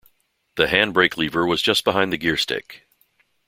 The handbrake lever was just behind the gearstick.